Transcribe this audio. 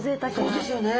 そうですよね。